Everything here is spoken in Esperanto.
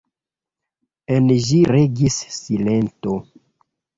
En ĝi regis silento.